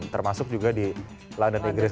termasuk juga di london inggris